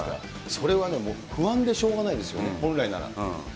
それはね、もう不安でしょうがないですよね、本来なら。